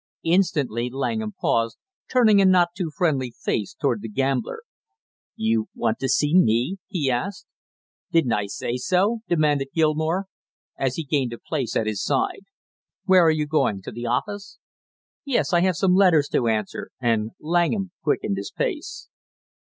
Instantly Langham paused, turning a not too friendly face toward the gambler. "You want to see me?" he asked. "Didn't I say so?" demanded Gilmore, as he gained a place at his side. "Where are you going, to the office?" "Yes, I have some letters to answer," and Langham quickened his pace.